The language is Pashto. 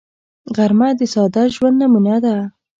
غرمه د ساده ژوند نمونه ده